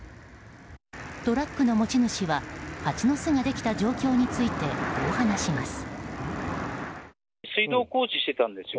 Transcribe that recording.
トラックの持ち主はハチの巣ができた状況についてこう話します。